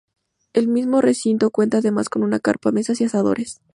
El mismo recinto cuenta además con una carpa, mesas y asadores.